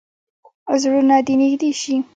زړونه دې نږدې شي.